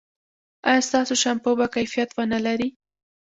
ایا ستاسو شامپو به کیفیت و نه لري؟